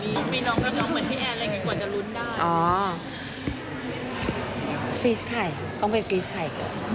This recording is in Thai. มีน้องเหมือนที่แอร์อะไรก็คือกว่าจะลุ้นได้อ๋อฟรีดไข่ต้องไปฟรีดไข่